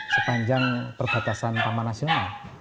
sepanjang perbatasan taman nasional